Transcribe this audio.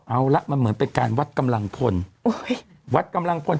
เอาละมันเหมือนเป็นการวัดกำลังพลวัดกำลังพล